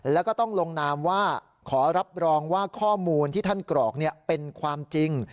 แล้วก็ต้องลงนามว่าขอรับรองว่าข้อมูลที่ท่านกรอกเป็นความจริง